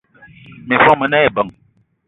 Miss mo mene ebeng.